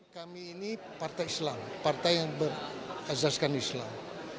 kami ini partai islam partai yang berazaskan islam